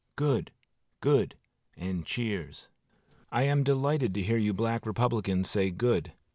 ["Good," "Good," and cheers.] I am delighted to hear you Black Republicans say, "Good."